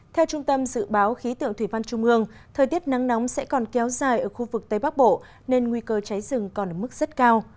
theo trung tâm dự báo khí tượng thủy văn trung ương thời tiết nắng nóng sẽ còn kéo dài ở khu vực tây bắc bộ nên nguy cơ cháy rừng còn ở mức rất cao